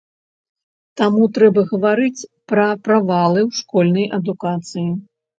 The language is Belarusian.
Таму трэба гаварыць пра правалы ў школьнай адукацыі.